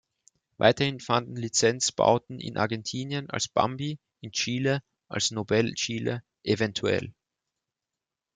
Weiterhin fanden Lizenzbauten in Argentinien als Bambi, in Chile als Nobel Chile, evtl.